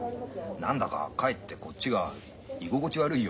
何だかかえってこっちが居心地悪いよ。